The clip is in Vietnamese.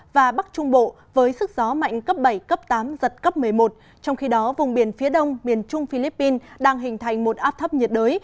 và bắc trung bộ với sức gió mạnh cấp bảy cấp tám giật cấp một mươi một trong khi đó vùng biển phía đông miền trung philippines đang hình thành một áp thấp nhiệt đới